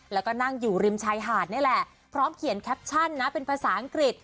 แล้วก็นั่งอยู่ริมชายหาดนี่แหละพร้อมเขียนแคปชั่นนะเป็นภาษาอังกฤษ